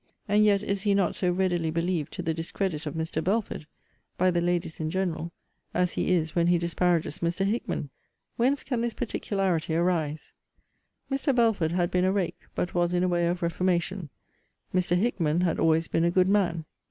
* And yet is he not so readily believed to the discredit of Mr. Belford, by the ladies in general, as he is when he disparages Mr. Hickman. Whence can this particularity arise? * See Letter XXXVI. of this volume. Mr. Belford had been a rake: but was in a way of reformation. Mr. Hickman had always been a good man.